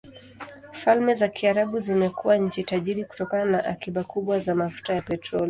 Falme za Kiarabu zimekuwa nchi tajiri kutokana na akiba kubwa za mafuta ya petroli.